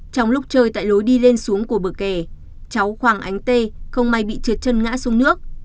trong lúc chơi tại lối đi lên xuống của bờ kè cháu hoàng ánh tê không may bị trượt chân ngã xuống nước